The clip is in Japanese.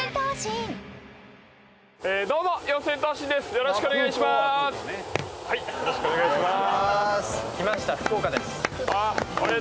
よろしくお願いします。